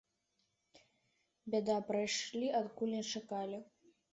Бяда прыйшла адкуль не чакалі.